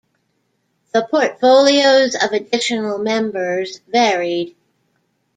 The portfolios of additional members varied.